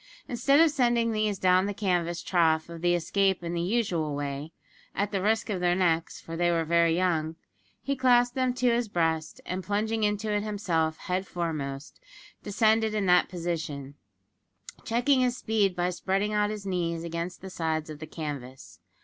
Instead of sending these down the canvas trough of the escape in the usual way at the risk of their necks, for they were very young he clasped them to his breast, and plunging into it himself head foremost, descended in that position, checking his speed by spreading out his knees against the sides of the canvas.